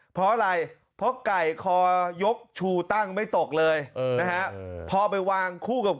เพราะอะไรเพราะไก่คอยกชูตั้งไม่ตกเลยนะฮะพอไปวางคู่กับ